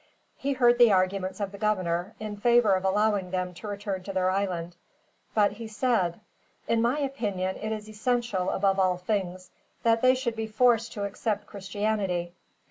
He heard the arguments of the governor, in favor of allowing them to return to their island, but he said: "In my opinion it is essential, above all things, that they should be forced to accept Christianity."